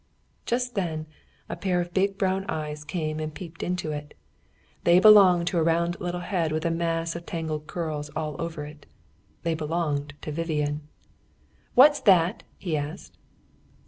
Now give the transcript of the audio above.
Just then, a pair of big brown eyes came and peeped into it. They belonged to a round little head with a mass of tangled curls all over it they belonged to Vivian. "What's that?" he asked.